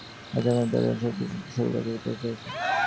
তাই আজ আপনার দ্বারে শত্রুমিত্র সকলে একত্র হইয়াছে।